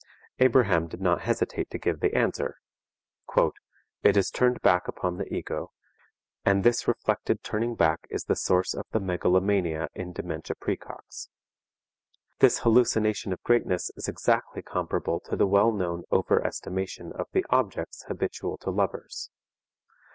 Abraham did not hesitate to give the answer, "It is turned back upon the ego, and this reflected turning back is the source of the megalomania in dementia praecox." This hallucination of greatness is exactly comparable to the well known over estimation of the objects habitual to lovers.